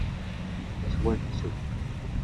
Nettwattu.